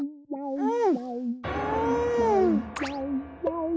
うん。